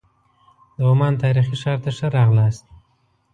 د عمان تاریخي ښار ته ښه راغلاست.